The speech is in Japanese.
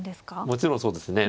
もちろんそうですね。